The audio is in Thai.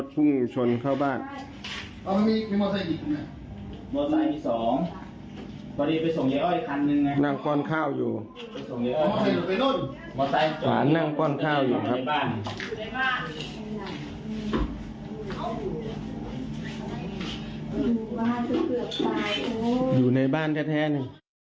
อยู่ในบ้านแค่แท้หนึ่ง